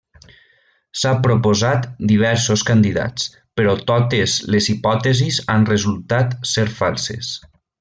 S'han proposat diversos candidats, però totes les hipòtesis han resultat ser falses.